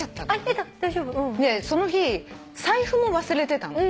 その日財布も忘れてたの。